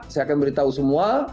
saya akan beritahu semua